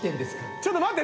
ちょっと待って！